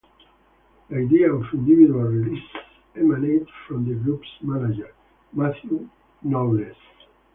The idea of individual releases emanated from the group's manager, Mathew Knowles.